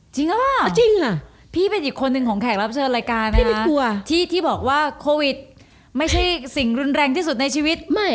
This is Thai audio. จริงเหรอพี่เป็นอีกคนหนึ่งของแขกรับเชิญรายการนะพี่ไม่กลัวที่ที่บอกว่าโควิดไม่ใช่สิ่งรุนแรงที่สุดในชีวิตไม่